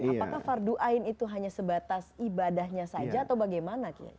apakah fardu ain itu hanya sebatas ibadahnya saja atau bagaimana kiai